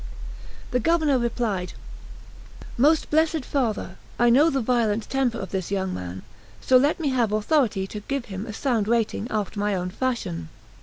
The Governor replied: "Most blessed Father, I know the violent temper of this young man; so let me have authority to give him a sound rating after my own fashion."